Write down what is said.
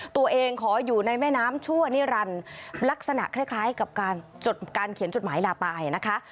ขออยู่ในแม่น้ำชั่วนิรันดิ์ลักษณะคล้ายกับการเขียนจดหมายลาตายนะคะ